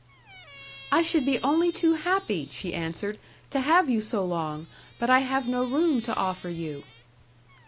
"I should be only too happy," she answered, "to have you so long, but I have no room to offer you."